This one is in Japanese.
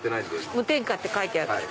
無添加って書いてある。